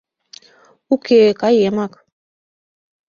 Уке, каемак.